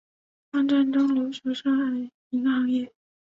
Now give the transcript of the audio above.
抗战中留守上海银行业。